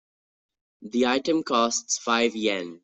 The item costs five Yen.